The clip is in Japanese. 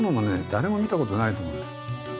誰も見たことないと思うんですよ。